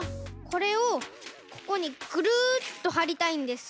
これをここにぐるっとはりたいんです。